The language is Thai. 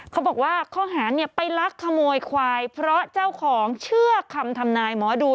เขาบอกว่าข้อหาไปลักขโมยควายเพราะเจ้าของเชื่อคำทำนายหมอดู